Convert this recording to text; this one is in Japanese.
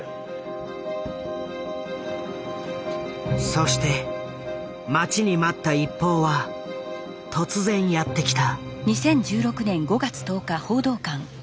そして待ちに待った一報は突然やってきた。